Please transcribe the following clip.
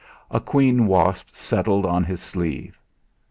A queen wasp settled on his sleeve.